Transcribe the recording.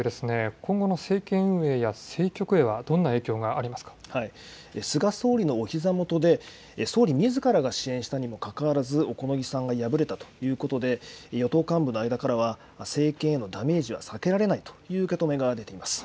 今後の政権運営や政局へは菅総理のおひざ元で総理みずからが支援したにもかかわらず小此木さんが敗れたということで与党幹部の間からは政権へのダメージは避けられないという受け止めが出ています。